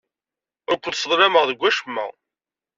Ur kent-sḍelmeɣ deg wacemma.